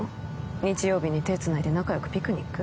日曜日に手つないで仲よくピクニック？